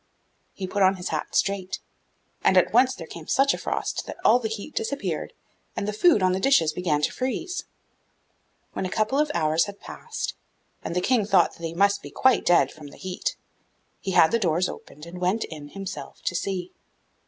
So he put his hat on straight, and at once there came such a frost that all the heat disappeared and the food on the dishes began to freeze. When a couple of hours had passed, and the King thought they must be quite dead from the heat, he had the doors opened and went in himself to see.